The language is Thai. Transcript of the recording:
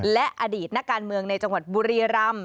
และอดีตนักการเมืองในจังหวัดบุรีรำ